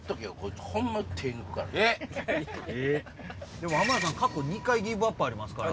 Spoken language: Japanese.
でも浜田さん過去２回ギブアップありますから。